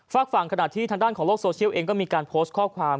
ฝากฝั่งขณะที่ทางด้านของโลกโซเชียลเองก็มีการโพสต์ข้อความ